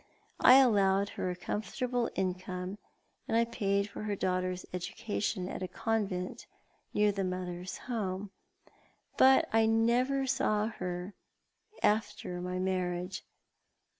I allowed her a comfort able income, and I paid for her daughter's education at a convent near the mother's home, but I never saw her after my marriage.